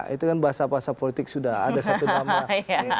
itu kan bahasa bahasa politik sudah ada satu nama